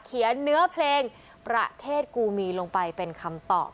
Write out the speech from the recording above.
เนื้อเพลงประเทศกูมีลงไปเป็นคำตอบ